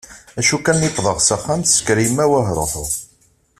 Acu kan mi i wḍeɣ s axxam tessenker yemma ahruḥu.